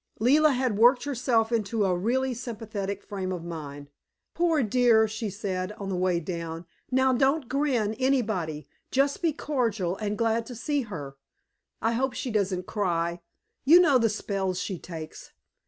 Leila had worked herself into a really sympathetic frame of mind. "Poor dear," she said, on the way down. "Now don't grin, anybody, just be cordial and glad to see her. I hope she doesn't cry; you know the spells she takes."